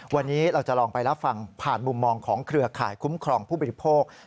วันนี้เราจะลองไปรับฟังผ่านมุมมองของเครือข่ายคุ้มครองผู้บริโภค